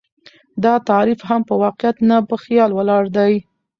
دا تعريف هم په واقعيت نه، په خيال ولاړ دى